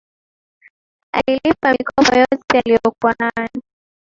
Alilipa mikopo yote aliyokuwa nayo